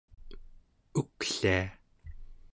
uklia